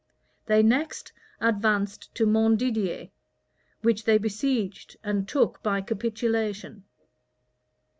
They next advanced to Montdidier, which they besieged, and took by capitulation.